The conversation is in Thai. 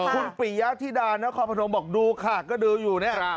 คุณปิยาธิดาน้องคอมพะนมบอกดูค่ะก็ดูอยู่นี่